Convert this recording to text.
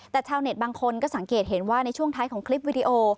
แต่ชาวเน็ตบางคนก็สังเกตเห็นว่าในช่วงท้ายของคลิปวิดีโอ